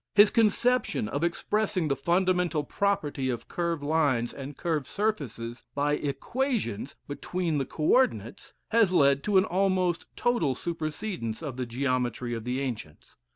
His conception of expressing the fundamental property of curve lines and curve surfaces by equations between the co ordinates has led to an almost total supersedence of the geometry of the ancients.